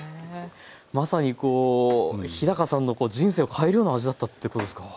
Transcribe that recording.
まさにこう日さんの人生を変えるような味だったということですか？